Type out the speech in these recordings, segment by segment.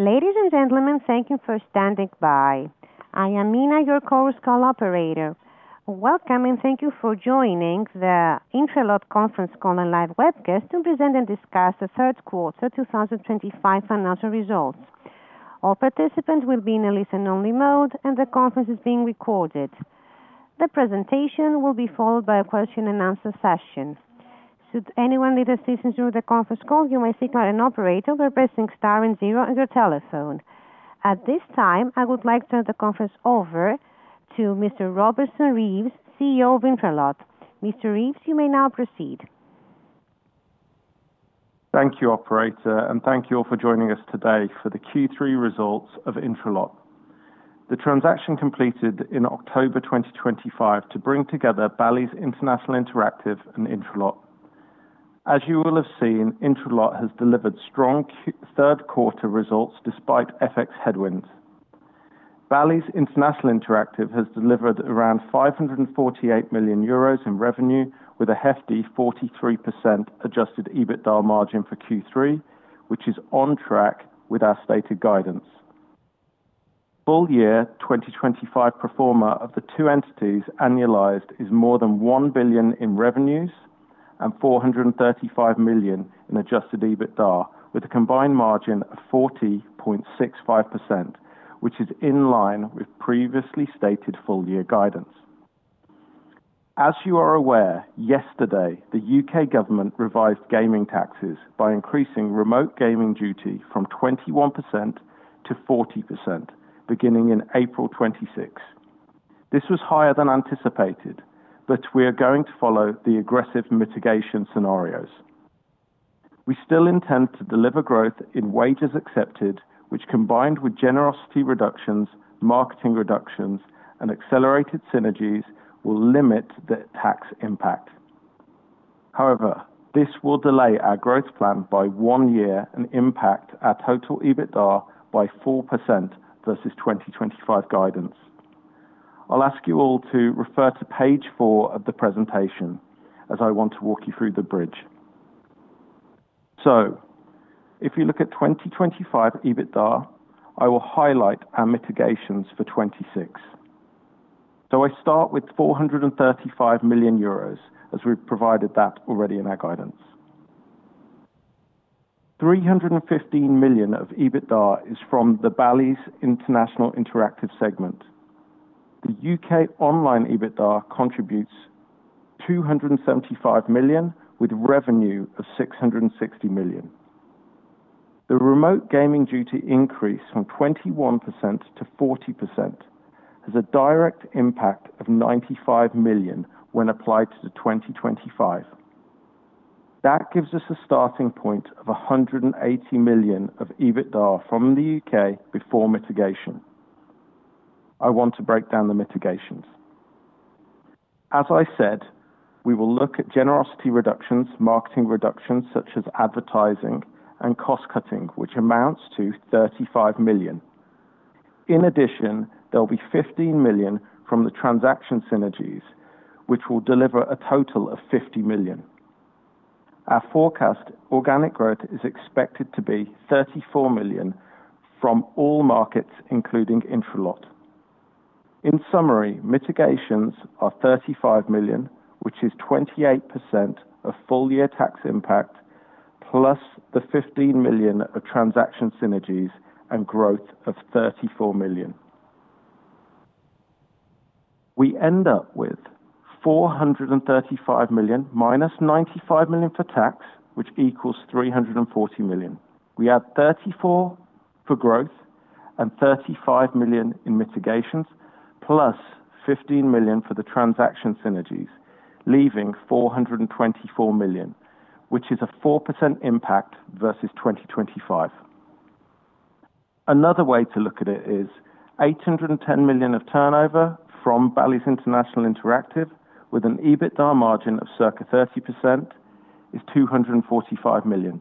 Ladies and gentlemen, thank you for standing by. I am Mina, your Coastal Operator. Welcome and thank you for joining the Intralot Conference Call and Live Webcast to present and discuss the third quarter 2025 financial results. All participants will be in a listen-only mode, and the conference is being recorded. The presentation will be followed by a question-and-answer session. Should anyone need assistance during the conference call, you may seek out an operator by pressing star and zero on your telephone. At this time, I would like to turn the conference over to Mr. Robeson Reeves, CEO of Intralot. Mr. Reeves, you may now proceed. Thank you, Operator, and thank you all for joining us today for the Q3 results of Intralot. The transaction completed in October 2025 to bring together Bally's International Interactive and Intralot. As you will have seen, Intralot has delivered strong third quarter results despite FX headwinds. Bally's International Interactive has delivered around 548 million euros in revenue, with a hefty 43% adjusted EBITDA margin for Q3, which is on track with our stated guidance. Full year 2025 performer of the two entities annualized is more than 1 billion in revenues and 435 million in adjusted EBITDA, with a combined margin of 40.65%, which is in line with previously stated full year guidance. As you are aware, yesterday the UK government revised gaming taxes by increasing remote gaming duty from 21% to 40% beginning in April 2026. This was higher than anticipated, but we are going to follow the aggressive mitigation scenarios. We still intend to deliver growth in wagers accepted, which, combined with generosity reductions, marketing reductions, and accelerated synergies, will limit the tax impact. However, this will delay our growth plan by one year and impact our total EBITDA by 4% versus 2025 guidance. I will ask you all to refer to page four of the presentation as I want to walk you through the bridge. If you look at 2025 EBITDA, I will highlight our mitigations for 2026. I start with 435 million euros, as we have provided that already in our guidance. 315 million of EBITDA is from the Bally's International Interactive segment. The UK online EBITDA contributes 275 million, with revenue of 660 million. The remote gaming duty increase from 21% to 40% has a direct impact of 95 million when applied to 2025. That gives us a starting point of 180 million of EBITDA from the UK before mitigation. I want to break down the mitigations. As I said, we will look at generosity reductions, marketing reductions such as advertising and cost cutting, which amounts to 35 million. In addition, there'll be 15 million from the transaction synergies, which will deliver a total of 50 million. Our forecast organic growth is expected to be 34 million from all markets, including Intralot. In summary, mitigations are 35 million, which is 28% of full-year tax impact, plus the 15 million of transaction synergies and growth of 34 million. We end up with 435 million minus 95 million for tax, which equals 340 million. We add 34 million for growth and 35 million in mitigations, plus 15 million for the transaction synergies, leaving 424 million, which is a 4% impact versus 2025. Another way to look at it is 810 million of turnover from Bally's International Interactive, with an EBITDA margin of circa 30%, is 245 million,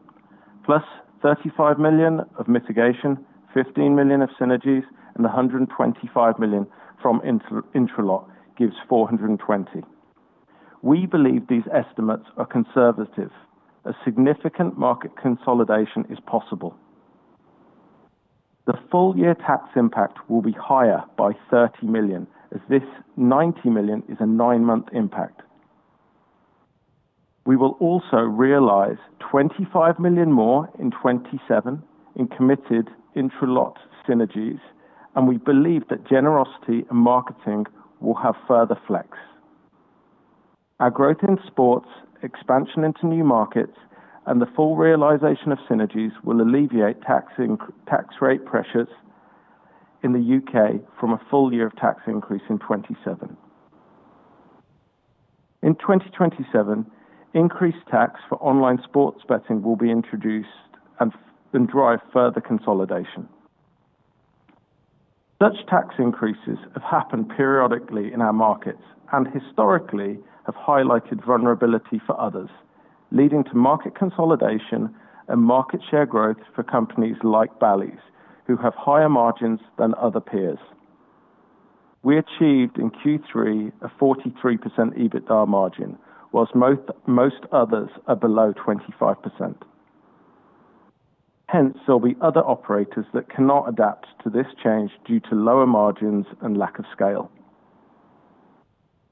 plus 35 million of mitigation, 15 million of synergies, and 125 million from Intralot gives 420 million. We believe these estimates are conservative. A significant market consolidation is possible. The full year tax impact will be higher by 30 million, as this 90 million is a nine-month impact. We will also realize 25 million more in 2027 in committed Intralot synergies, and we believe that generosity and marketing will have further flex. Our growth in sports, expansion into new markets, and the full realization of synergies will alleviate tax rate pressures in the UK from a full year of tax increase in 2027. In 2027, increased tax for online sports betting will be introduced and drive further consolidation. Such tax increases have happened periodically in our markets and historically have highlighted vulnerability for others, leading to market consolidation and market share growth for companies like Bally's, who have higher margins than other peers. We achieved in Q3 a 43% EBITDA margin, whilst most others are below 25%. Hence, there'll be other operators that cannot adapt to this change due to lower margins and lack of scale.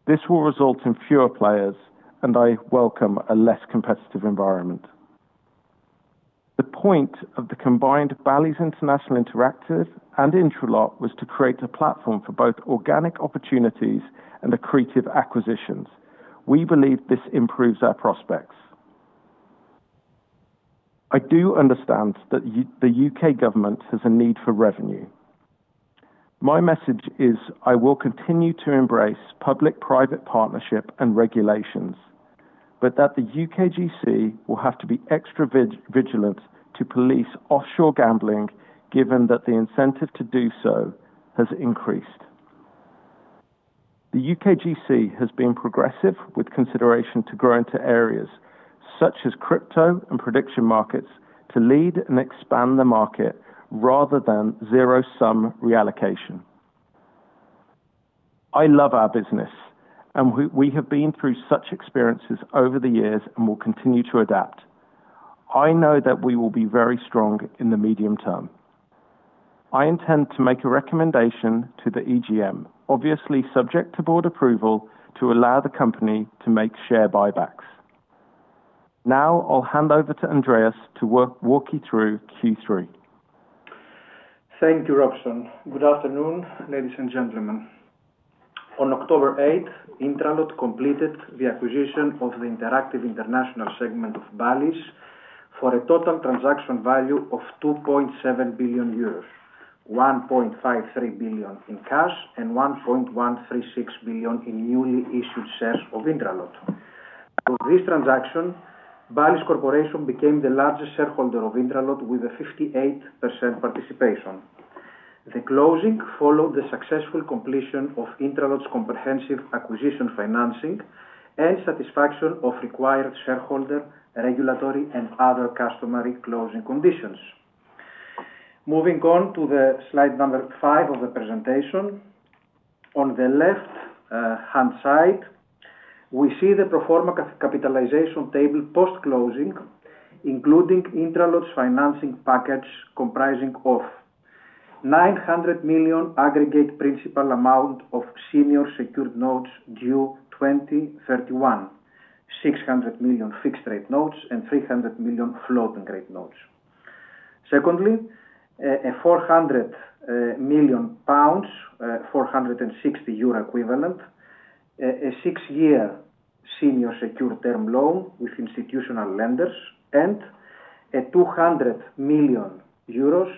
This will result in fewer players, and I welcome a less competitive environment. The point of the combined Bally's International Interactive and Intralot was to create a platform for both organic opportunities and accretive acquisitions. We believe this improves our prospects. I do understand that the UK government has a need for revenue. My message is I will continue to embrace public-private partnership and regulations, but that the UKGC will have to be extra vigilant to police offshore gambling, given that the incentive to do so has increased. The UKGC has been progressive with consideration to grow into areas such as crypto and prediction markets to lead and expand the market rather than zero-sum reallocation. I love our business, and we have been through such experiences over the years and will continue to adapt. I know that we will be very strong in the medium term. I intend to make a recommendation to the EGM, obviously subject to board approval, to allow the company to make share buybacks. Now I'll hand over to Andreas to walk you through Q3. Thank you, Robeson. Good afternoon, ladies and gentlemen. On October 8, Intralot completed the acquisition of the Interactive International segment of Bally's for a total transaction value of 2.7 billion euros, 1.53 billion in cash and 1.136 billion in newly issued shares of Intralot. Through this transaction, Bally's Corporation became the largest shareholder of Intralot with a 58% participation. The closing followed the successful completion of Intralot's comprehensive acquisition financing and satisfaction of required shareholder, regulatory, and other customary closing conditions. Moving on to slide number five of the presentation, on the left-hand side, we see the proforma capitalization table post-closing, including Intralot's financing package comprising of 900 million aggregate principal amount of senior secured notes due 2031, 600 million fixed-rate notes, and 300 million floating-rate notes. Secondly, 400 million pounds, 460 million euro equivalent, a six-year senior secured term loan with institutional lenders, and 200 million euros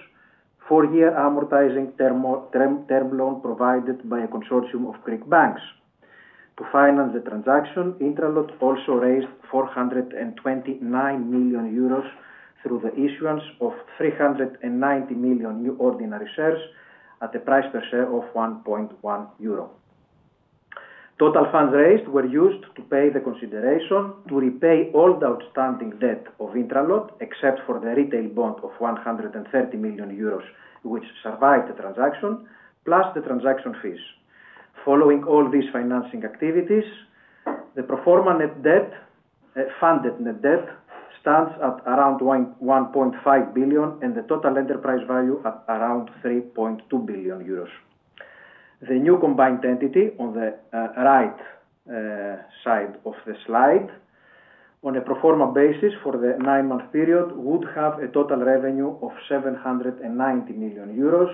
four-year amortizing term loan provided by a consortium of Greek banks. To finance the transaction, Intralot also raised 429 million euros through the issuance of 390 million new ordinary shares at a price per share of 1.1 euro. Total funds raised were used to pay the consideration to repay all the outstanding debt of Intralot, except for the retail bond of 130 million euros, which survived the transaction, plus the transaction fees. Following all these financing activities, the proforma net debt funded net debt stands at around 1.5 billion, and the total enterprise value at around 3.2 billion euros. The new combined entity on the right side of the slide, on a proforma basis for the nine-month period, would have a total revenue of 790 million euros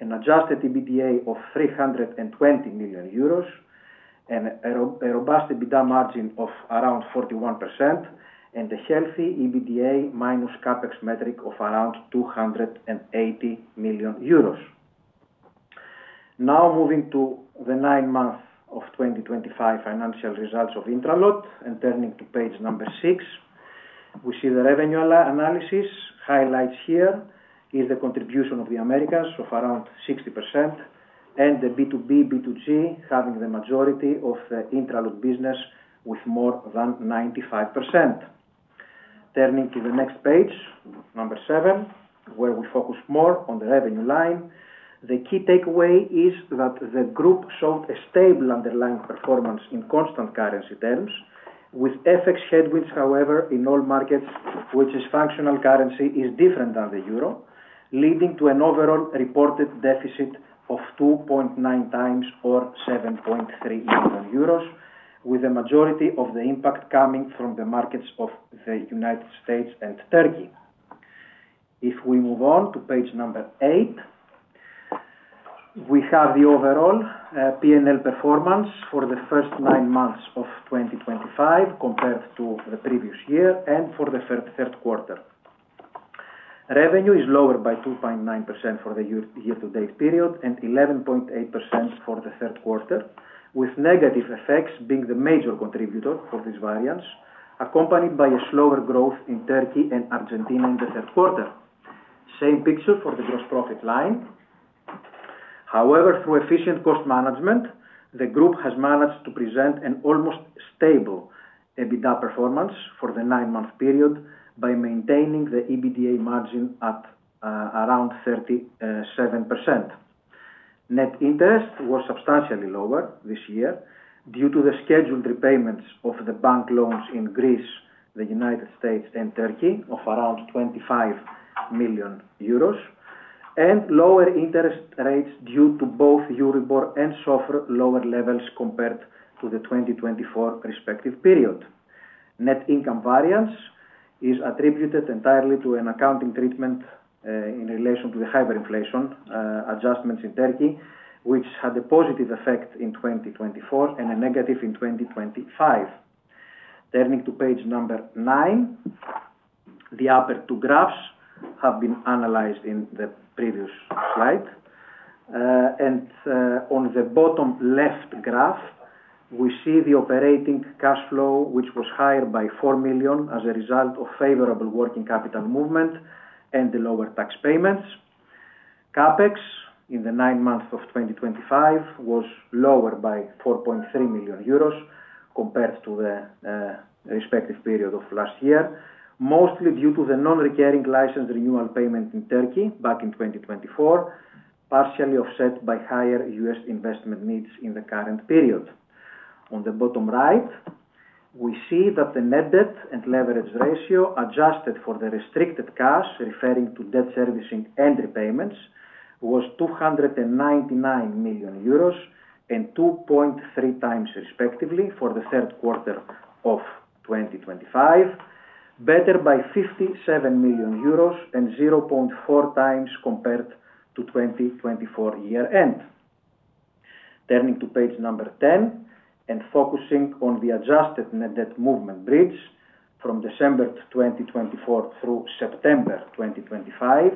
and an adjusted EBITDA of 320 million euros, a robust EBITDA margin of around 41%, and a healthy EBITDA minus CapEx metric of around 280 million euros. Now moving to the nine-month of 2025 financial results of Intralot and turning to page number six, we see the revenue analysis highlights here is the contribution of the Americas of around 60% and the B2B, B2G having the majority of the Intralot business with more than 95%. Turning to the next page, number seven, where we focus more on the revenue line, the key takeaway is that the group showed a stable underlying performance in constant currency terms, with FX headwinds, however, in all markets, which is functional currency is different than the euro, leading to an overall reported deficit of 2.9% or 7.3 million euros, with the majority of the impact coming from the markets of the United States and Turkey. If we move on to page number eight, we have the overall P&L performance for the first nine months of 2025 compared to the previous year and for the third quarter. Revenue is lower by 2.9% for the year-to-date period and 11.8% for the third quarter, with negative effects being the major contributor for this variance, accompanied by a slower growth in Turkey and Argentina in the third quarter. Same picture for the gross profit line. However, through efficient cost management, the group has managed to present an almost stable EBITDA performance for the nine-month period by maintaining the EBITDA margin at around 37%. Net interest was substantially lower this year due to the scheduled repayments of the bank loans in Greece, the United States, and Turkey of around 25 million euros, and lower interest rates due to both Euribor and SOFR lower levels compared to the 2024 respective period. Net income variance is attributed entirely to an accounting treatment in relation to the hyperinflation adjustments in Turkey, which had a positive effect in 2024 and a negative in 2025. Turning to page number nine, the upper two graphs have been analyzed in the previous slide. On the bottom left graph, we see the operating cash flow, which was higher by 4 million as a result of favorable working capital movement and the lower tax payments. CapEx in the nine months of 2025 was lower by 4.3 million euros compared to the respective period of last year, mostly due to the non-recurring license renewal payment in Turkey back in 2024, partially offset by higher US investment needs in the current period. On the bottom right, we see that the net debt and leverage ratio adjusted for the restricted cash, referring to debt servicing and repayments, was 299 million euros and 2.3 times, respectively, for the third quarter of 2025, better by 57 million euros and 0.4 times compared to 2024 year-end. Turning to page number 10 and focusing on the adjusted net debt movement bridge from December 2024 through September 2025,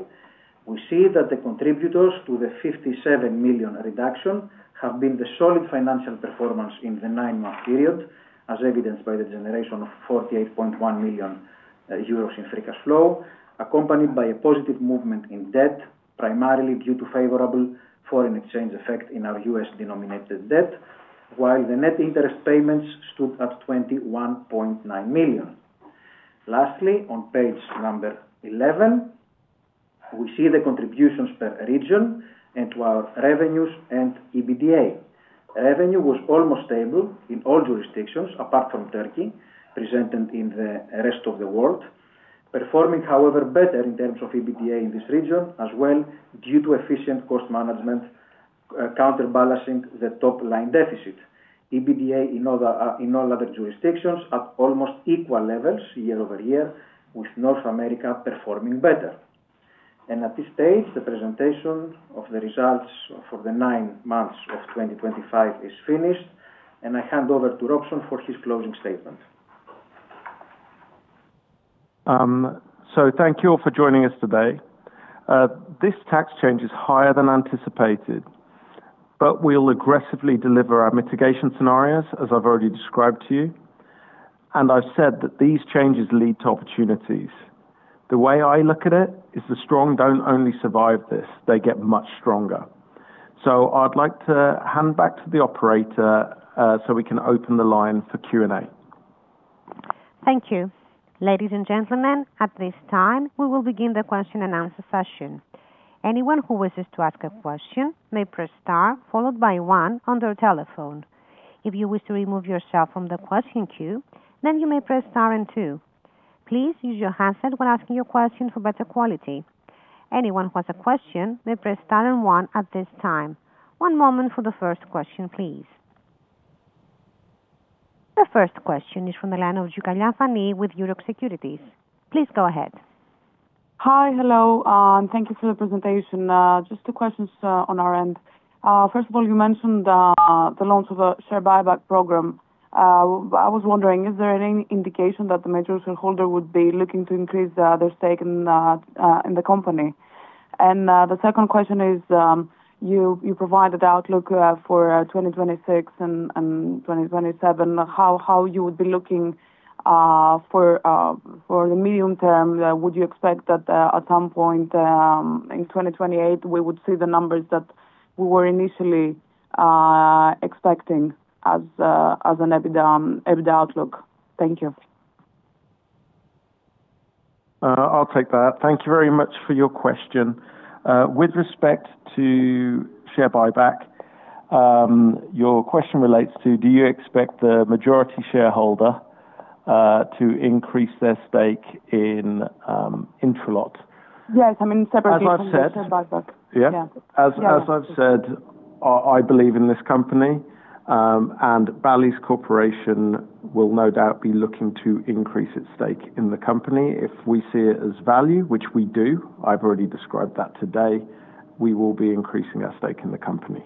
we see that the contributors to the 57 million reduction have been the solid financial performance in the nine-month period, as evidenced by the generation of 48.1 million euros in free cash flow, accompanied by a positive movement in debt, primarily due to favorable foreign exchange effect in our US-denominated debt, while the net interest payments stood at 21.9 million. Lastly, on page number 11, we see the contributions per region and to our revenues and EBITDA. Revenue was almost stable in all jurisdictions apart from Turkey, presented in the rest of the world, performing, however, better in terms of EBITDA in this region as well due to efficient cost management counterbalancing the top line deficit. EBITDA in all other jurisdictions at almost equal levels year-over-year, with North America performing better. At this stage, the presentation of the results for the nine months of 2025 is finished, and I hand over to Robeson for his closing statement. Thank you all for joining us today. This tax change is higher than anticipated, but we'll aggressively deliver our mitigation scenarios, as I've already described to you, and I've said that these changes lead to opportunities. The way I look at it is the strong don't only survive this; they get much stronger. I would like to hand back to the operator so we can open the line for Q&A. Thank you. Ladies and gentlemen, at this time, we will begin the question-and-answer session. Anyone who wishes to ask a question may press star followed by one on their telephone. If you wish to remove yourself from the question queue, then you may press star and two. Please use your handset when asking your question for better quality. Anyone who has a question may press star and one at this time. One moment for the first question, please. The first question is from the line of [Gugalia, Fani] with Europe Securities. Please go ahead. Hi, hello. Thank you for the presentation. Just two questions on our end. First of all, you mentioned the launch of a share buyback program. I was wondering, is there any indication that the major shareholder would be looking to increase their stake in the company? The second question is you provide a doubt look for 2026 and 2027, how you would be looking for the medium term. Would you expect that at some point in 2028 we would see the numbers that we were initially expecting as an EBITDA outlook? Thank you. I'll take that. Thank you very much for your question. With respect to share buyback, your question relates to, do you expect the majority shareholder to increase their stake in Intralot? Yes, I mean, separate share buyback. As I've said, I believe in this company, and Bally's Corporation will no doubt be looking to increase its stake in the company. If we see it as value, which we do, I've already described that today, we will be increasing our stake in the company.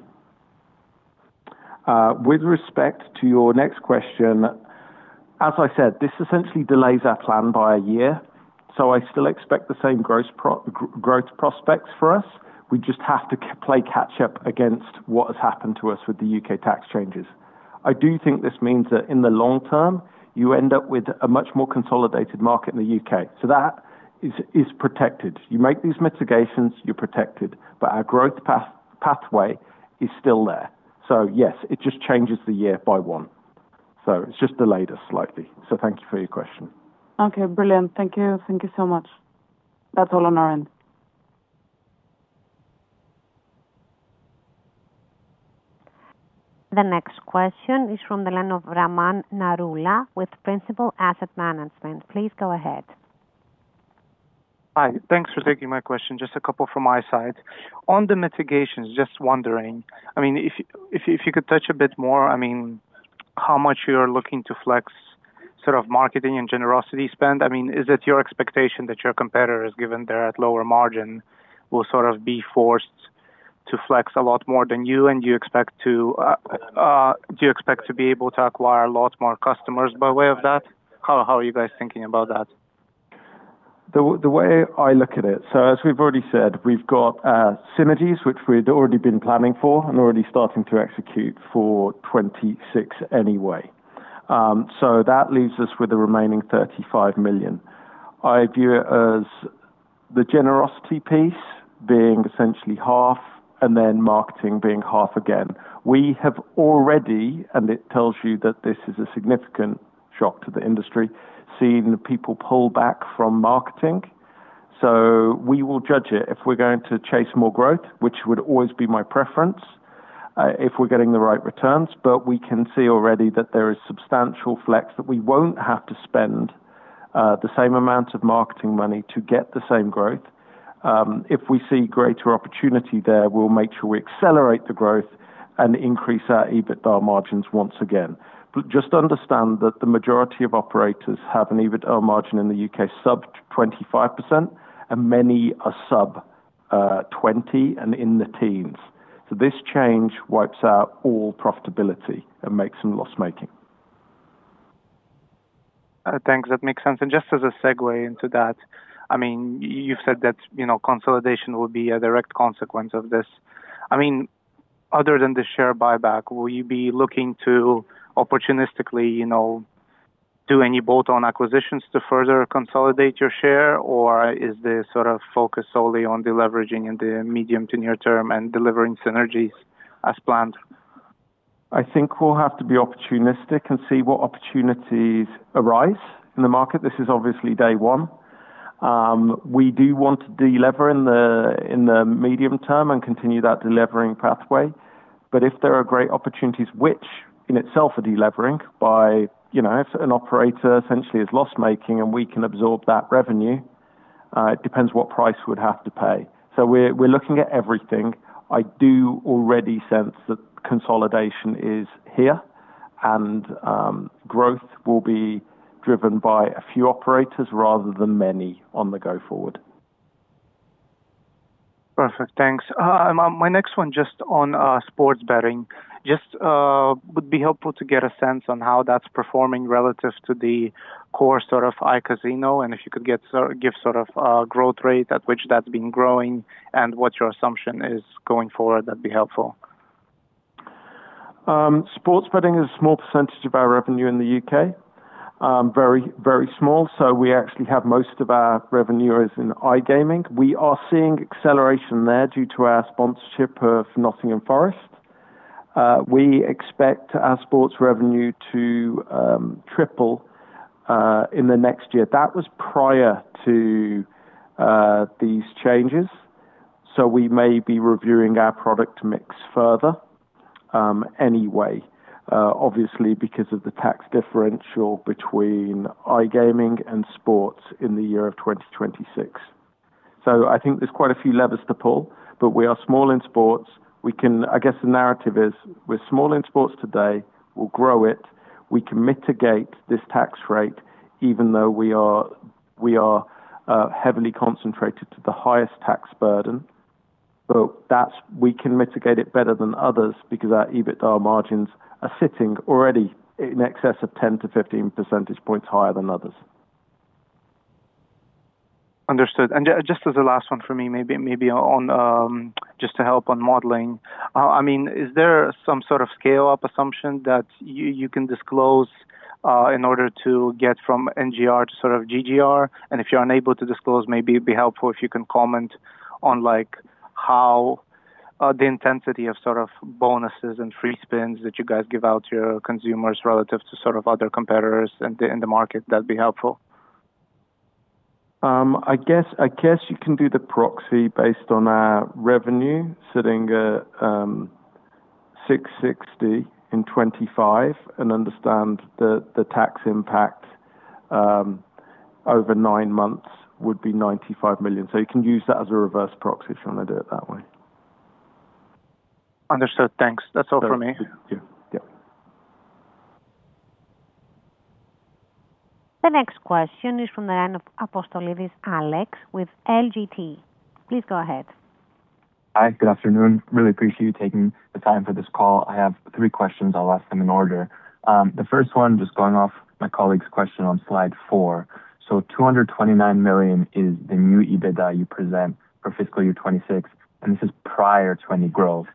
With respect to your next question, as I said, this essentially delays our plan by a year, so I still expect the same growth prospects for us. We just have to play catch-up against what has happened to us with the UK tax changes. I do think this means that in the long term, you end up with a much more consolidated market in the UK That is protected. You make these mitigations, you're protected, but our growth pathway is still there. Yes, it just changes the year by one. It just delayed us slightly. Thank you for your question. Okay, brilliant. Thank you. Thank you so much. That's all on our end. The next question is from the line of Raman Narula with Principal Asset Management. Please go ahead. Hi, thanks for taking my question. Just a couple from my side. On the mitigations, just wondering, I mean, if you could touch a bit more, I mean, how much you're looking to flex sort of marketing and generosity spend? I mean, is it your expectation that your competitors, given they're at lower margin, will sort of be forced to flex a lot more than you, and do you expect to be able to acquire a lot more customers by way of that? How are you guys thinking about that? The way I look at it, as we have already said, we have got synergies, which we had already been planning for and already starting to execute for 2026 anyway. That leaves us with the remaining 35 million. I view it as the generosity piece being essentially half, and then marketing being half again. We have already, and it tells you that this is a significant shock to the industry, seen people pull back from marketing. We will judge it if we are going to chase more growth, which would always be my preference, if we are getting the right returns, but we can see already that there is substantial flex that we will not have to spend the same amount of marketing money to get the same growth. If we see greater opportunity there, we will make sure we accelerate the growth and increase our EBITDA margins once again. Just understand that the majority of operators have an EBITDA margin in the UK sub-25%, and many are sub-20% and in the teens. This change wipes out all profitability and makes them loss-making. Thanks. That makes sense. Just as a segue into that, I mean, you've said that consolidation will be a direct consequence of this. I mean, other than the share buyback, will you be looking to opportunistically do any bolt-on acquisitions to further consolidate your share, or is the sort of focus solely on the leveraging in the medium to near term and delivering synergies as planned? I think we'll have to be opportunistic and see what opportunities arise in the market. This is obviously day one. We do want to delever in the medium term and continue that delevering pathway. If there are great opportunities, which in itself are delevering by if an operator essentially is loss-making and we can absorb that revenue, it depends what price we would have to pay. We are looking at everything. I do already sense that consolidation is here, and growth will be driven by a few operators rather than many on the go forward. Perfect. Thanks. My next one just on sports betting. Just would be helpful to get a sense on how that's performing relative to the core sort of iCasino, and if you could give sort of a growth rate at which that's been growing and what your assumption is going forward, that'd be helpful. Sports betting is a small percentage of our revenue in the UK, very small, so we actually have most of our revenue is in iGaming. We are seeing acceleration there due to our sponsorship of Nottingham Forest. We expect our sports revenue to triple in the next year. That was prior to these changes, so we may be reviewing our product mix further anyway, obviously because of the tax differential between iGaming and sports in the year of 2026. I think there are quite a few levers to pull, but we are small in sports. I guess the narrative is we're small in sports today, we'll grow it, we can mitigate this tax rate even though we are heavily concentrated to the highest tax burden, but we can mitigate it better than others because our EBITDA margins are sitting already in excess of 10 to 15 percentage points higher than others. Understood. Just as a last one for me, maybe just to help on modeling, I mean, is there some sort of scale-up assumption that you can disclose in order to get from NGR to sort of GGR? If you're unable to disclose, maybe it'd be helpful if you can comment on how the intensity of sort of bonuses and free spins that you guys give out to your consumers relative to sort of other competitors in the market, that'd be helpful. I guess you can do the proxy based on our revenue sitting at [66D] in 2025 and understand that the tax impact over nine months would be 95 million. You can use that as a reverse proxy if you want to do it that way. Understood. Thanks. That's all from me. Thank you. Yeah. The next question is from the line of Apostolidis, Alex with LGT. Please go ahead. Hi, good afternoon. Really appreciate you taking the time for this call. I have three questions. I'll ask them in order. The first one, just going off my colleague's question on slide four. 229 million is the new EBITDA you present for fiscal year 2026, and this is prior to any growth.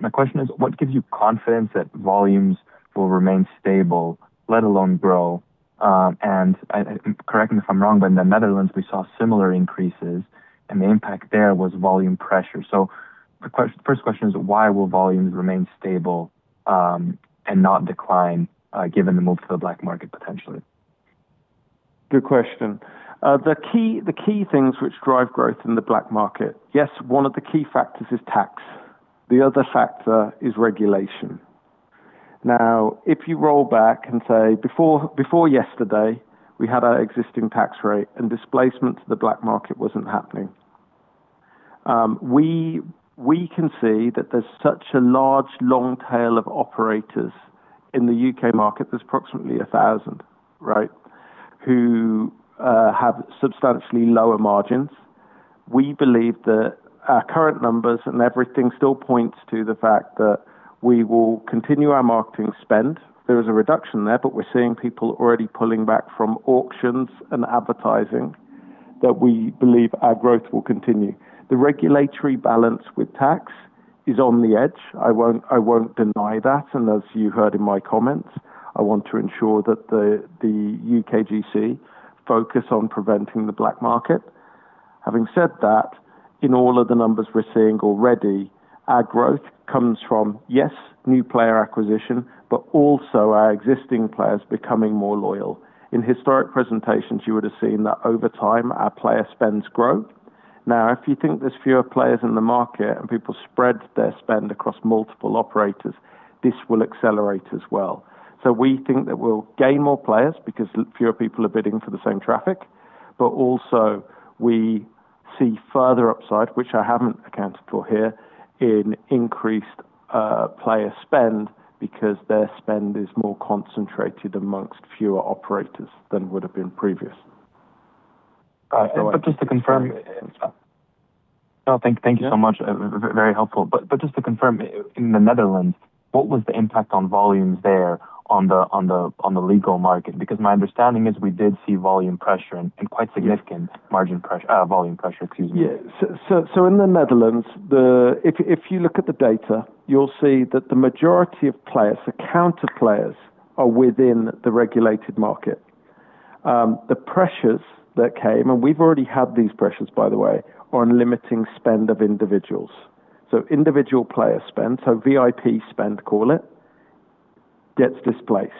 My question is, what gives you confidence that volumes will remain stable, let alone grow? Correct me if I'm wrong, but in the Netherlands, we saw similar increases, and the impact there was volume pressure. The first question is, why will volumes remain stable and not decline given the move to the black market potentially? Good question. The key things which drive growth in the black market, yes, one of the key factors is tax. The other factor is regulation. Now, if you roll back and say, before yesterday, we had our existing tax rate and displacement to the black market was not happening. We can see that there is such a large long tail of operators in the UK market, there are approximately 1,000, right, who have substantially lower margins. We believe that our current numbers and everything still point to the fact that we will continue our marketing spend. There is a reduction there, but we are seeing people already pulling back from auctions and advertising that we believe our growth will continue. The regulatory balance with tax is on the edge. I will not deny that. As you heard in my comments, I want to ensure that the UKGC focus on preventing the black market. Having said that, in all of the numbers we're seeing already, our growth comes from, yes, new player acquisition, but also our existing players becoming more loyal. In historic presentations, you would have seen that over time, our player spends grow. Now, if you think there's fewer players in the market and people spread their spend across multiple operators, this will accelerate as well. We think that we'll gain more players because fewer people are bidding for the same traffic, but also we see further upside, which I haven't accounted for here, in increased player spend because their spend is more concentrated amongst fewer operators than would have been previous. No, thank you so much. Very helpful. Just to confirm, in the Netherlands, what was the impact on volumes there on the legal market? My understanding is we did see volume pressure and quite significant margin pressure, volume pressure, excuse me. In the Netherlands, if you look at the data, you'll see that the majority of players, the counterplayers, are within the regulated market. The pressures that came, and we've already had these pressures, by the way, on limiting spend of individuals. Individual player spend, so VIP spend, call it, gets displaced.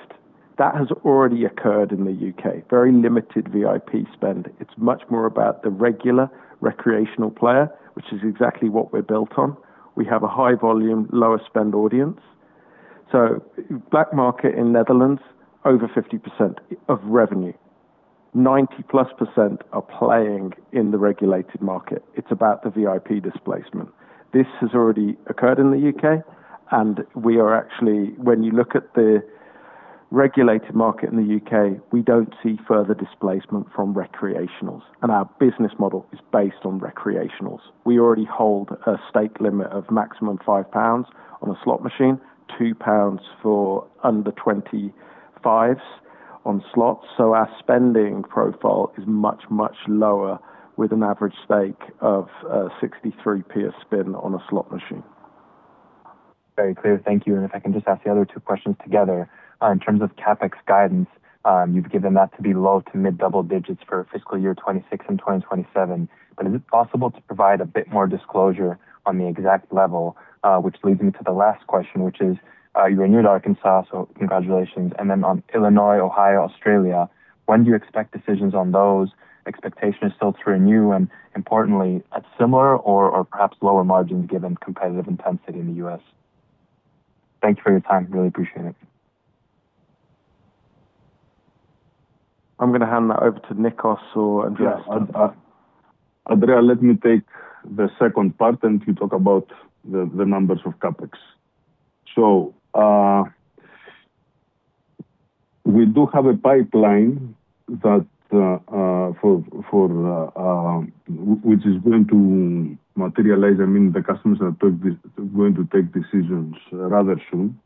That has already occurred in the UK Very limited VIP spend. It's much more about the regular recreational player, which is exactly what we're built on. We have a high-volume, lower-spend audience. Black market in Netherlands, over 50% of revenue, 90%+ are playing in the regulated market. It's about the VIP displacement. This has already occurred in the UK, and actually, when you look at the regulated market in the UK, we do not see further displacement from recreationals. Our business model is based on recreationals. We already hold a stake limit of maximum 5 pounds on a slot machine, 2 pounds for under 25s on slots. Our spending profile is much, much lower with an average stake of 0.63 a spin on a slot machine. Very clear. Thank you. If I can just ask the other two questions together, in terms of CapEx guidance, you've given that to be low to mid double digits for fiscal year 2026 and 2027. Is it possible to provide a bit more disclosure on the exact level, which leads me to the last question, which is you're in New York, Arkansas, so congratulations. On Illinois, Ohio, Australia, when do you expect decisions on those? Expectation is still to renew. Importantly, at similar or perhaps lower margins given competitive intensity in the US. Thank you for your time. Really appreciate it. I'm going to hand that over to Nikos or Andreas. Yeah. Andreas, let me take the second part and you talk about the numbers of CapEx. We do have a pipeline which is going to materialize, I mean, the customers are going to take decisions rather soon.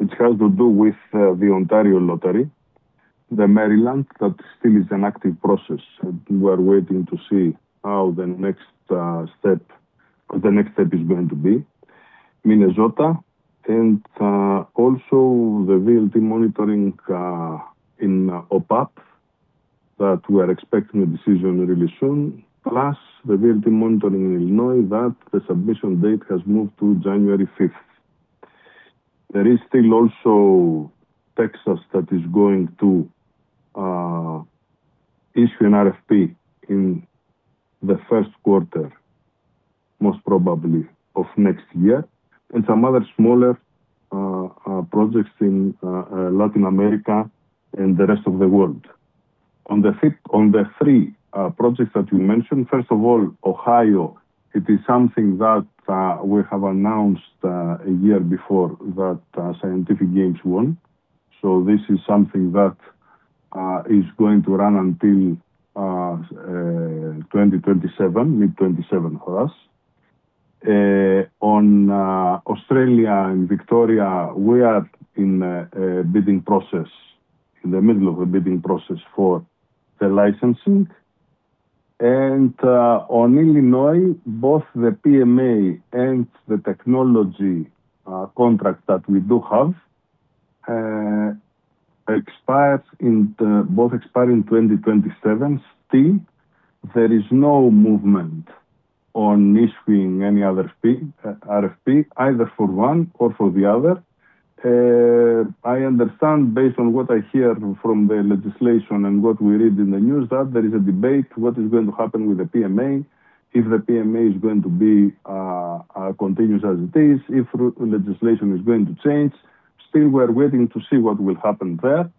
It has to do with the Ontario Lottery, the Maryland that still is an active process. We are waiting to see how the next step, the next step is going to be. Minnesota and also the VLT monitoring in OPAP that we are expecting a decision really soon, plus the VLT monitoring in Illinois that the submission date has moved to 5 January 2026. There is still also Texas that is going to issue an RFP in the first quarter, most probably of next year, and some other smaller projects in Latin America and the rest of the world. On the three projects that you mentioned, first of all, Ohio, it is something that we have announced a year before that Scientific Games won. This is something that is going to run until 2027, mid-2027 for us. On Australia and Victoria, we are in a bidding process, in the middle of the bidding process for the licensing. On Illinois, both the PMA and the technology contract that we do have expire, both expiring 2027, still there is no movement on issuing any other RFP, either for one or for the other. I understand based on what I hear from the legislation and what we read in the news that there is a debate what is going to happen with the PMA, if the PMA is going to be continuous as it is, if legislation is going to change. Still, we are waiting to see what will happen there.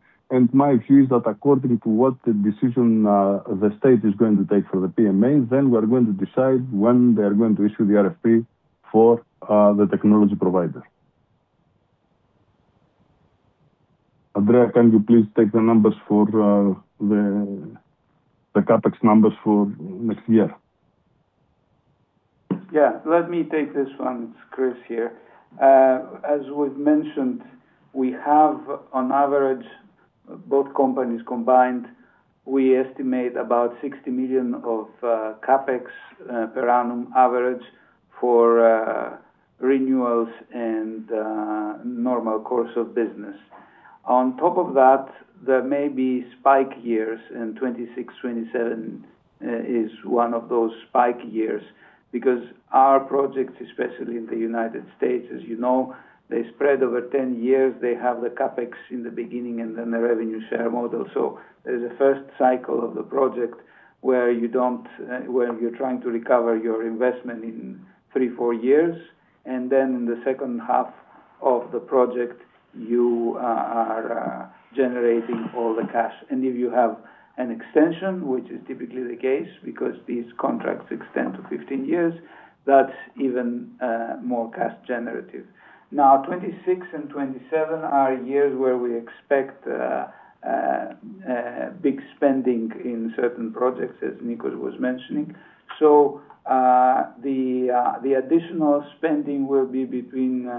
My view is that according to what the decision the state is going to take for the PMA, we are going to decide when they are going to issue the RFP for the technology provider. Andreas, can you please take the numbers for the CapEx numbers for next year? Yeah. Let me take this one. It's Chrys here. As we've mentioned, we have on average, both companies combined, we estimate about 60 million of CapEx per annum average for renewals and normal course of business. On top of that, there may be spike years, and 2026, 2027 is one of those spike years because our projects, especially in the United States, as you know, they spread over 10 years. They have the CapEx in the beginning and then the revenue share model. There is a first cycle of the project where you're trying to recover your investment in three, four years. In the second half of the project, you are generating all the cash. If you have an extension, which is typically the case because these contracts extend to 15 years, that's even more cash generative. Now, 2026 and 2027 are years where we expect big spending in certain projects, as Nikos was mentioning. The additional spending will be between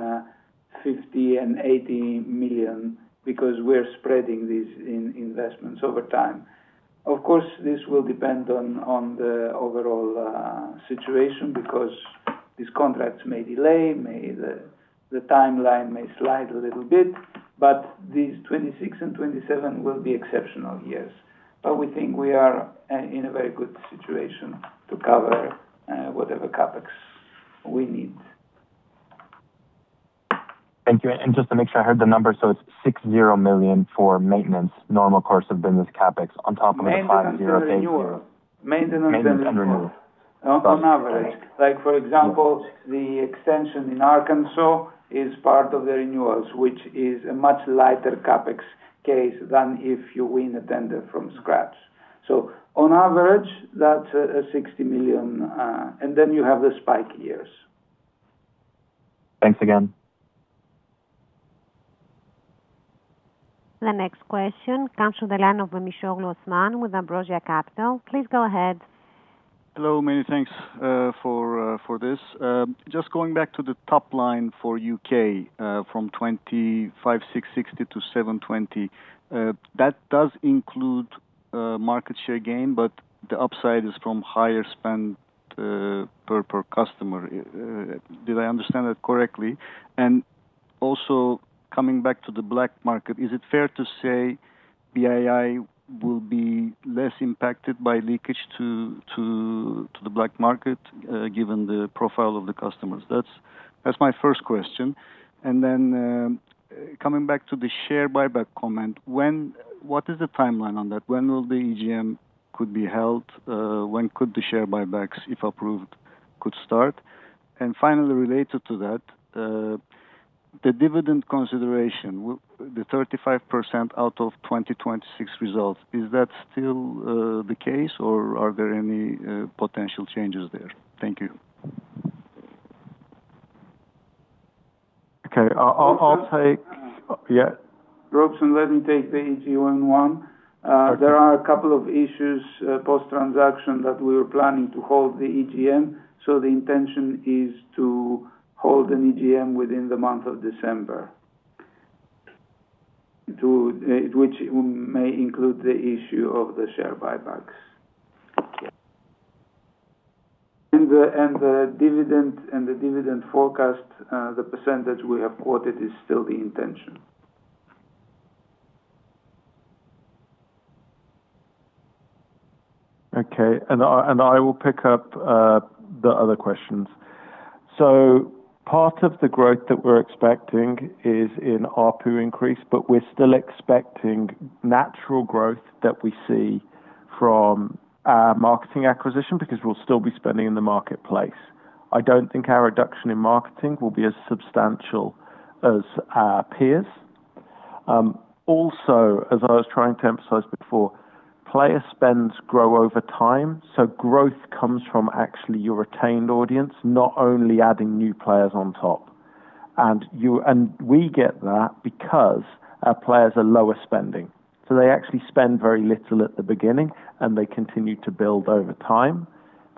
50 million and 80 million because we're spreading these investments over time. Of course, this will depend on the overall situation because these contracts may delay, the timeline may slide a little bit, but these 2026 and 2027 will be exceptional years. We think we are in a very good situation to cover whatever CapEx we need. Thank you. Just to make sure I heard the number, so it is 60 million for maintenance, normal course of business CapEx on top of the 50 million. Maintenance and renewal. Maintenance and renewal. On average. Like, for example, the extension in Arkansas is part of the renewals, which is a much lighter CapEx case than if you win a tender from scratch. On average, that's 60 million. Then you have the spike years. Thanks again. The next question comes from the line of Osman Memisoglu with Ambrosia Capital. Please go ahead. Hello. Many thanks for this. Just going back to the top line for UK from 25,660 to 720,000 that does include market share gain, but the upside is from higher spend per customer. Did I understand that correctly? Also, coming back to the black market, is it fair to say BII will be less impacted by leakage to the black market given the profile of the customers? That's my first question. Coming back to the share buyback comment, what is the timeline on that? When will the EGM be held? When could the share buybacks, if approved, start? Finally, related to that, the dividend consideration, the 35% out of 2026 results, is that still the case, or are there any potential changes there? Thank you. Okay. I'll take. Yeah. Robeson, let me take the EGM one. There are a couple of issues post-transaction that we were planning to hold the EGM. The intention is to hold an EGM within the month of December, which may include the issue of the share buybacks. The dividend forecast, the percentage we have quoted is still the intention. Okay. I will pick up the other questions. Part of the growth that we're expecting is in RPU increase, but we're still expecting natural growth that we see from our marketing acquisition because we'll still be spending in the marketplace. I don't think our reduction in marketing will be as substantial as our peers. Also, as I was trying to emphasize before, player spends grow over time. Growth comes from actually your retained audience, not only adding new players on top. We get that because our players are lower spending. They actually spend very little at the beginning, and they continue to build over time.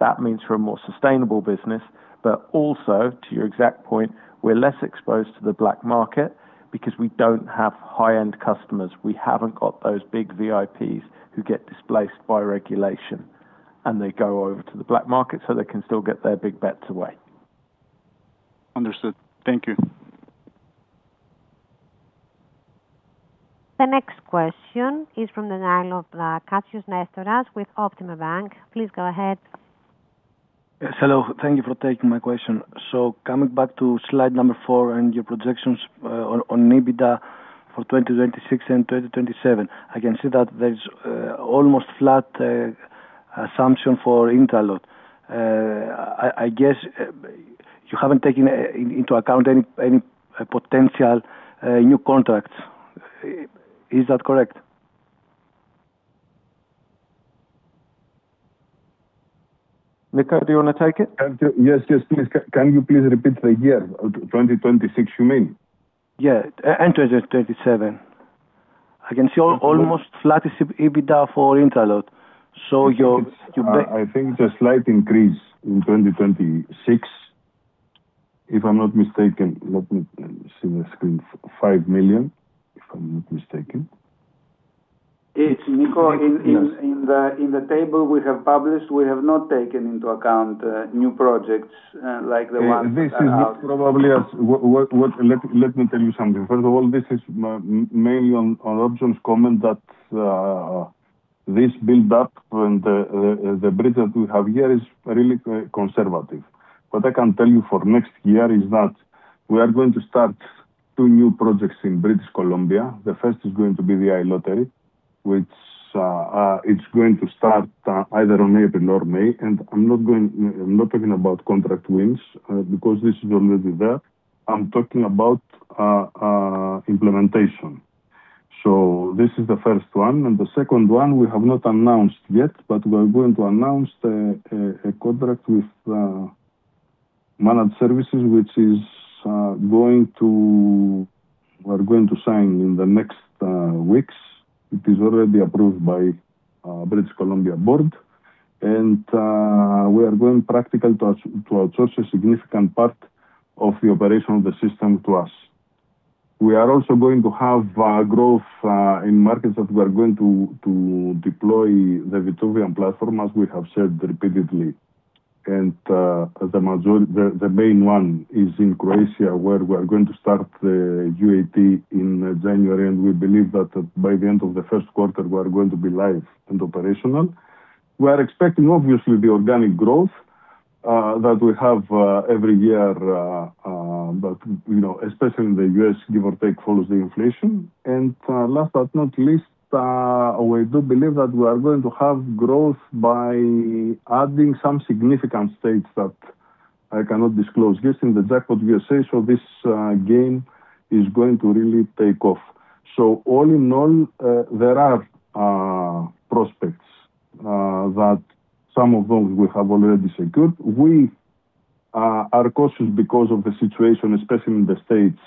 That means we're a more sustainable business. Also, to your exact point, we're less exposed to the black market because we don't have high-end customers. We haven't got those big VIPs who get displaced by regulation, and they go over to the black market so they can still get their big bets away. Understood. Thank you. The next question is from the line of Katsios, Nestoras with Optima Bank. Please go ahead. Hello. Thank you for taking my question. Coming back to slide number four and your projections on EBITDA for 2026 and 2027, I can see that there's almost flat assumption for Intralot. I guess you haven't taken into account any potential new contracts. Is that correct? Niko, do you want to take it? Yes, yes, please. Can you please repeat the year? 2026, you mean? Yeah, and 2027, I can see almost flat EBITDA for Intralot. So your I think it's a slight increase in 2026, if I'm not mistaken. Let me see the screen. 5 million, if I'm not mistaken. Niko, in the table we have published, we have not taken into account new projects like the ones we have. This is probably as let me tell you something. First of all, this is mainly on Robeson's comment that this build-up and the bridge that we have here is really conservative. What I can tell you for next year is that we are going to start two new projects in British Columbia. The first is going to be the iLottery, which it's going to start either in April or May. I am not talking about contract wins because this is already there. I am talking about implementation. This is the first one. The second one, we have not announced yet, but we are going to announce a contract with Managed Services, which we are going to sign in the next weeks. It is already approved by the British Columbia Board. We are going practical to outsource a significant part of the operation of the system to us. We are also going to have growth in markets that we are going to deploy the Vitruvian platform, as we have said repeatedly. The main one is in Croatia, where we are going to start the UAT in January. We believe that by the end of the first quarter, we are going to be live and operational. We are expecting, obviously, the organic growth that we have every year, but especially in the US, give or take, follows the inflation. Last but not least, we do believe that we are going to have growth by adding some significant states that I cannot disclose. Just in the deck of USA, this game is going to really take off. All in all, there are prospects that some of those we have already secured. We are cautious because of the situation, especially in the States,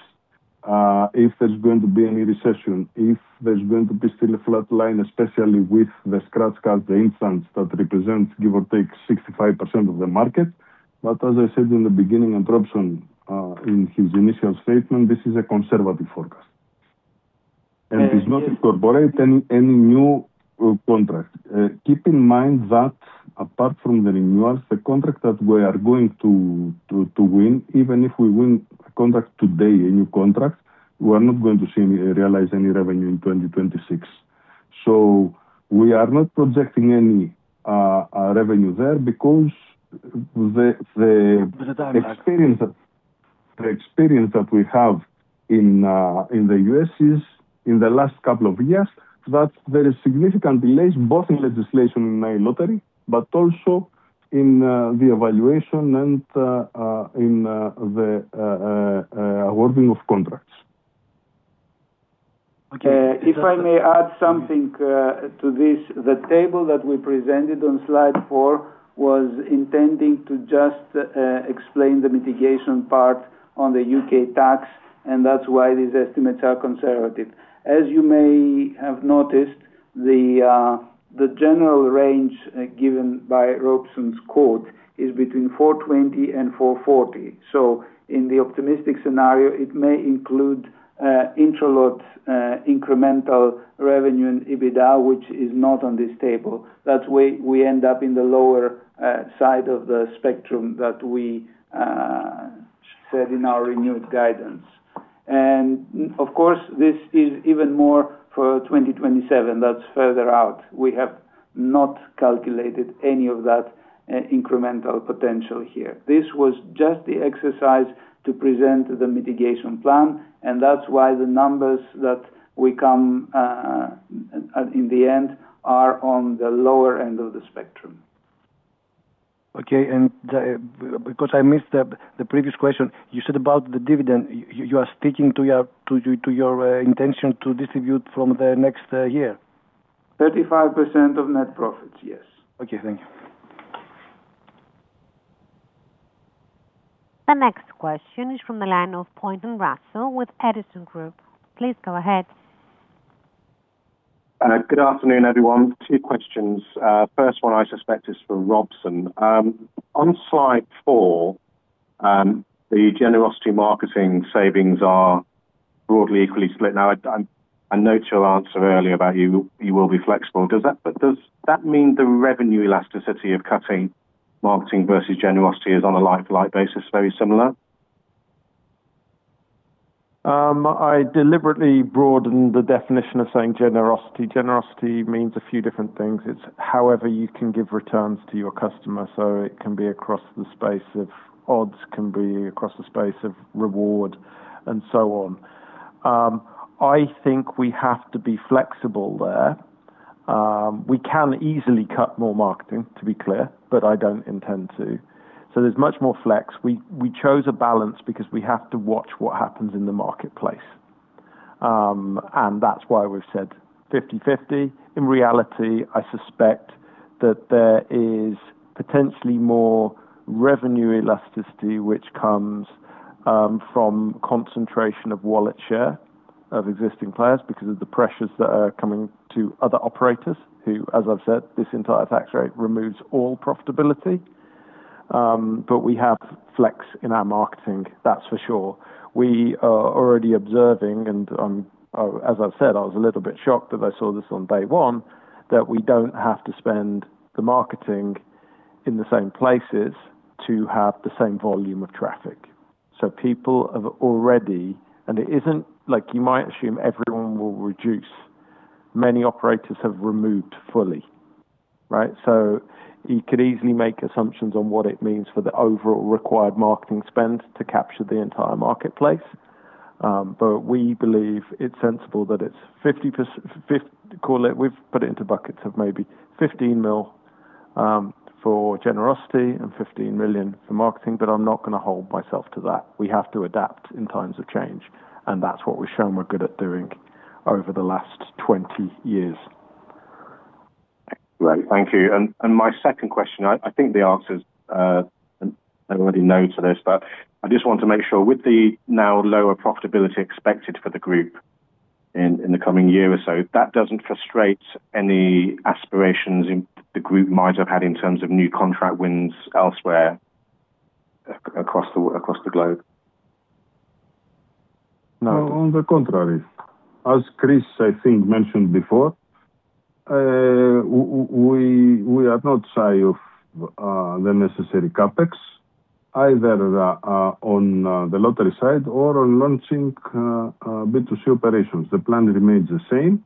if there's going to be any recession, if there's going to be still a flat line, especially with the scratch card, the instance that represents, give or take, 65% of the market. As I said in the beginning, and Robeson in his initial statement, this is a conservative forecast. It does not incorporate any new contract. Keep in mind that apart from the renewals, the contract that we are going to win, even if we win a contract today, a new contract, we are not going to realize any revenue in 2026. We are not projecting any revenue there because the experience that we have in the US is in the last couple of years, that there are significant delays, both in legislation in iLottery, but also in the evaluation and in the awarding of contracts. If I may add something to this, the table that we presented on slide four was intending to just explain the mitigation part on the UK tax, and that's why these estimates are conservative. As you may have noticed, the general range given by Robeson's quote is between 420 million and 440 million. In the optimistic scenario, it may include Intralot incremental revenue and EBITDA, which is not on this table. That's why we end up in the lower side of the spectrum that we said in our renewed guidance. Of course, this is even more for 2027. That is further out. We have not calculated any of that incremental potential here. This was just the exercise to present the mitigation plan, and that's why the numbers that we come in the end are on the lower end of the spectrum. Okay. Because I missed the previous question, you said about the dividend, you are sticking to your intention to distribute from the next year? 35% of net profits, yes. Okay. Thank you. The next question is from the line of Pointon, Russell with Edison Group. Please go ahead. Good afternoon, everyone. Two questions. First one, I suspect, is for Robeson. On slide four, the generosity marketing savings are broadly equally split. Now, I noted your answer earlier about you will be flexible. Does that mean the revenue elasticity of cutting marketing versus generosity is on a like-for-like basis very similar? I deliberately broadened the definition of saying generosity. Generosity means a few different things. It's however you can give returns to your customer. It can be across the space of odds, can be across the space of reward, and so on. I think we have to be flexible there. We can easily cut more marketing, to be clear, but I don't intend to. There is much more flex. We chose a balance because we have to watch what happens in the marketplace. That is why we've said 50/50. In reality, I suspect that there is potentially more revenue elasticity, which comes from concentration of wallet share of existing players because of the pressures that are coming to other operators who, as I've said, this entire tax rate removes all profitability. We have flex in our marketing, that's for sure. We are already observing, and as I've said, I was a little bit shocked that I saw this on day one, that we do not have to spend the marketing in the same places to have the same volume of traffic. People have already—and it is not like you might assume everyone will reduce. Many operators have removed fully, right? You could easily make assumptions on what it means for the overall required marketing spend to capture the entire marketplace. We believe it is sensible that it is—have put it into buckets of maybe 15 million for generosity and 15 million for marketing, but I am not going to hold myself to that. We have to adapt in times of change, and that is what we have shown we are good at doing over the last 20 years. Right. Thank you. My second question, I think the answer is—and I already know to this—but I just want to make sure with the now lower profitability expected for the group in the coming year or so, that does not frustrate any aspirations the group might have had in terms of new contract wins elsewhere across the globe? No. On the contrary. As Chrys, I think, mentioned before, we are not shy of the necessary CapEx, either on the lottery side or on launching B2C operations. The plan remains the same.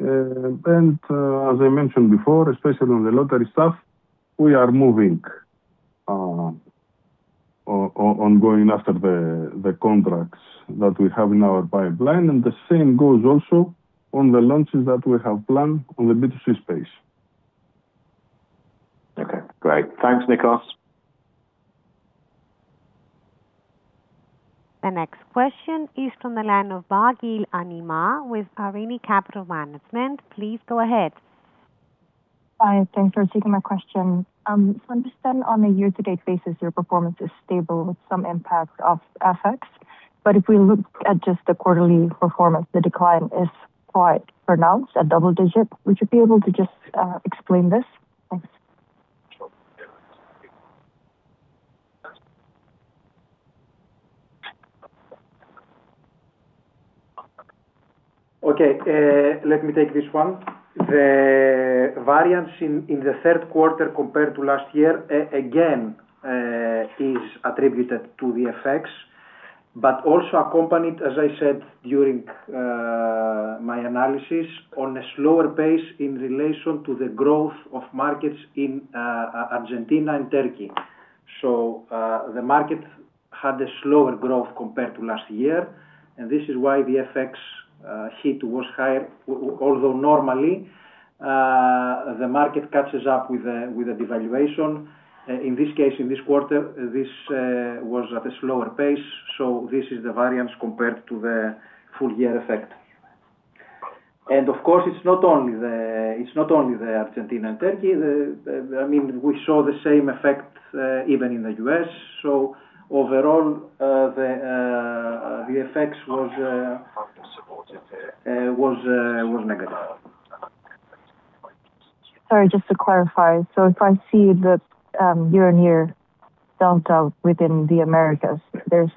As I mentioned before, especially on the lottery stuff, we are moving on going after the contracts that we have in our pipeline. The same goes also on the launches that we have planned on the B2C space. Okay. Great. Thanks, Nikos. The next question is from the line of Baagil, Aminah with Arini Capital Management. Please go ahead. Hi. Thanks for taking my question. I understand on a year-to-date basis, your performance is stable with some impact of FX. If we look at just the quarterly performance, the decline is quite pronounced at double digit. Would you be able to just explain this? Thanks. Okay. Let me take this one. The variance in the third quarter compared to last year again is attributed to the effects, but also accompanied, as I said during my analysis, on a slower pace in relation to the growth of markets in Argentina and Turkey. The market had a slower growth compared to last year, and this is why the FX hit was higher, although normally the market catches up with the devaluation. In this case, in this quarter, this was at a slower pace. This is the variance compared to the full-year effect. Of course, it's not only the Argentina and Turkey. I mean, we saw the same effect even in the US. Overall, the FX was negative. Sorry, just to clarify. If I see the year-on-year [delta] within the Americas, there is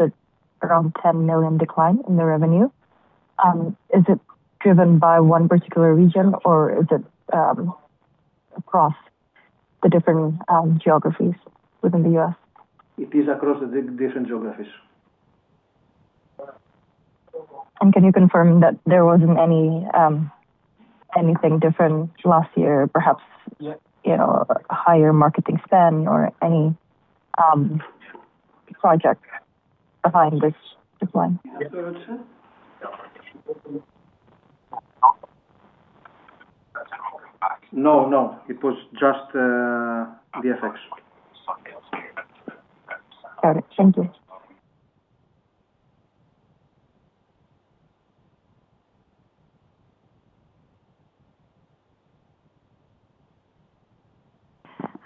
around 10 million decline in the revenue. Is it driven by one particular region, or is it across the different geographies within the US? It is across the different geographies. Can you confirm that there was not anything different last year, perhaps higher marketing spend or any project behind this decline? No, no. It was just the FX. Got it. Thank you.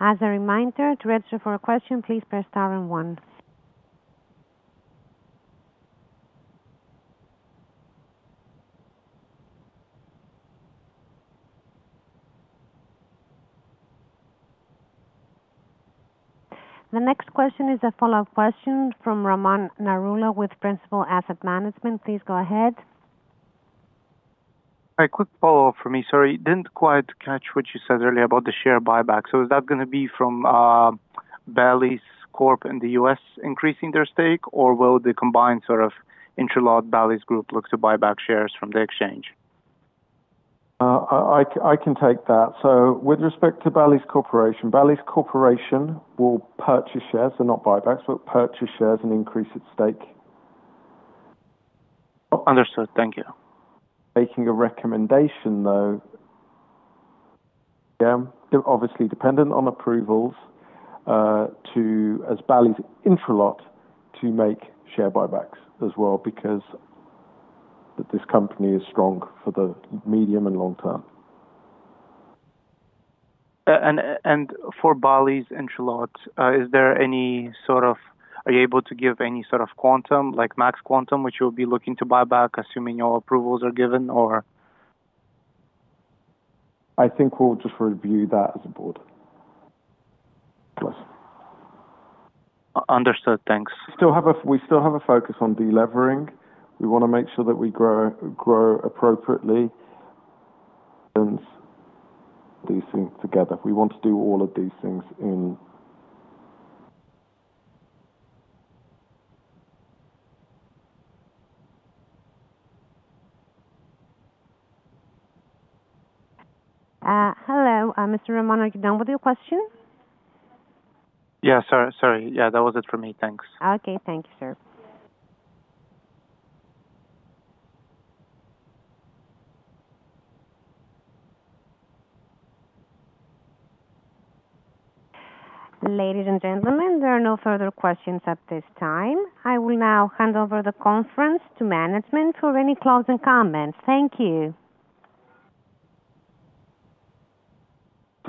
As a reminder, to register for a question, please press star and one. The next question is a follow-up question from Raman Narula with Principal Asset Management. Please go ahead. A quick follow-up for me. Sorry. Didn't quite catch what you said earlier about the share buyback. Is that going to be from Bally's Corporation in the US increasing their stake, or will the combined sort of Intralot Bally's Group look to buyback shares from the exchange? I can take that. With respect to Bally's Corporation, Bally's Corporation will purchase shares and not buybacks, but purchase shares and increase its stake. Understood. Thank you. Making a recommendation, though, yeah, obviously dependent on approvals too as Bally's Intralot to make share buybacks as well because this company is strong for the medium and long term. For Bally's Intralot, is there any sort of, are you able to give any sort of quantum, like max quantum, which you'll be looking to buy back, assuming your approvals are given, or? I think we'll just review that as a board. Understood. Thanks. We still have a focus on delevering. We want to make sure that we grow appropriately and do these things together. We want to do all of these things in. Hello. Mr. Raman, are you're done with your question? Yeah. Sorry. Yeah. That was it for me. Thanks. Okay. Thank you, sir. Ladies and gentlemen, there are no further questions at this time. I will now hand over the conference to management for any closing comments. Thank you.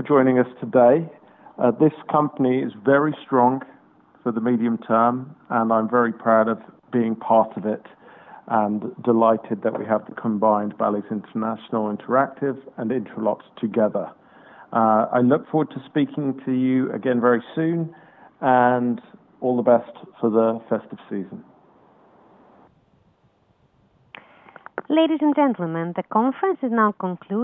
For joining us today. This company is very strong for the medium term, and I'm very proud of being part of it and delighted that we have combined Bally's International Interactive and Intralot together. I look forward to speaking to you again very soon, and all the best for the festive season. Ladies and gentlemen, the conference is now concluded.